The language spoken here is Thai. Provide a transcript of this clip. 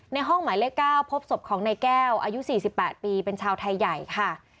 ห้องหมายเลข๙พบศพของนายแก้วอายุ๔๘ปีเป็นชาวไทยใหญ่ค่ะ